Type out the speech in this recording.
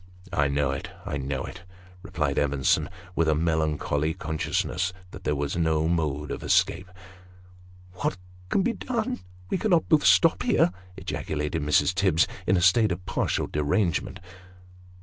" I know it I know it," replied Evenson, with a melancholy con sciousness that there was no mode of escape. " What's to be done ? we cannot both stop here !" ejaculated Mrs. Tibbs, in a state of partial derangement.